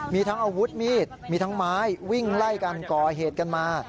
มีทั้งอาวุธมีดมีทั้งไม้วิ่งไล่กันก่อเหตุกันมา